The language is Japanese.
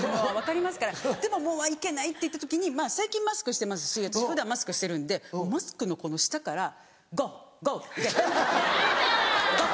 でも行けないっていった時に最近マスクしてますし私普段マスクしてるんでマスクのこの下から「ゴーゴー行けゴー」。